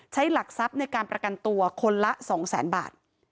ใช้หลักทรัพย์ในการประกันตัวคนละสองแสนบาท